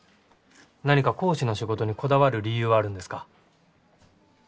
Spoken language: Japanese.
何か講師の仕事にこだわる理由はあるんですか？